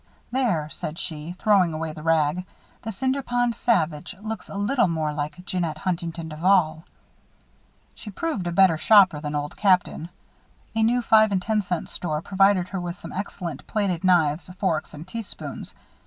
"There," said she, throwing away the rag. "The Cinder Pond Savage looks a little more like Jeannette Huntington Duval." She proved a better shopper than Old Captain. A new five and ten cent store provided her with some excellent plated knives, forks, and teaspoons.